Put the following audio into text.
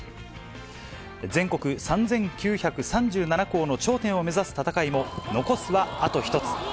全国３９３７校の頂点を目指す戦いも、残すはあと１つ。